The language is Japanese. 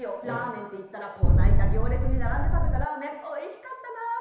ラーメンっていったらこないだぎょうれつにならんでたべたラーメンおいしかったな！